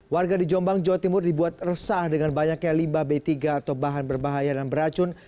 warga di jombang jawa timur dibuat resah dengan banyaknya limbah b tiga atau bahan berbahaya dan beracun